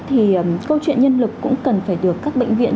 thì câu chuyện nhân lực cũng cần phải được các bệnh viện